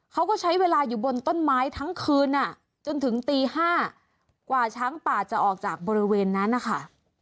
เขาก็ใช้เวลาอยู่บนต้นไม้ทั้งคืนจนถึงตี๕กว่าช้างป่าจะออกจากบริเวณนั้นนะคะ